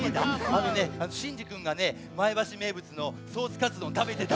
あのねシンジくんがね前橋めいぶつのソースかつどんたべてた。